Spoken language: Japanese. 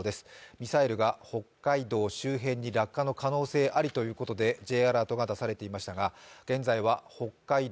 ミサイルが北海道周辺に落下の可能性ありということでＪアラートが出されていましたが現在は北海道